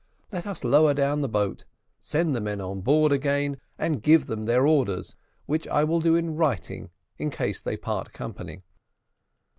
Let us lower down the boat, send the men on board again, and give them their orders which I will do in writing, in case they part company."